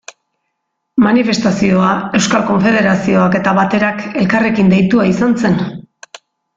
Manifestazioa Euskal Konfederazioak eta Baterak elkarrekin deitua izan zen.